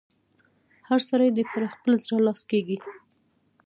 هر سړی دې پر خپل زړه لاس کېږي.